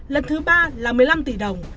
lần thứ ba là một mươi năm tỷ đồng